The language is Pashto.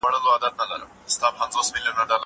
زه به اوبه څښلي وي؟!